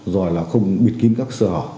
rồi là không bịt kín các sơ hỏ